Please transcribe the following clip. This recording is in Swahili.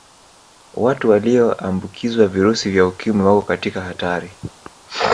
watu waliyoambikizwa virusi vya ukimwi wako katika hatari